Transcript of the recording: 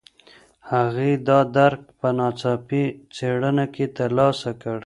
هغې دا درک په ناڅاپي څېړنه کې ترلاسه کړ.